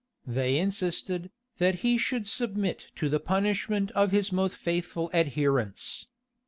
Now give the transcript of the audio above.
They insisted, that he should submit to the punishment of his most faithful adherents.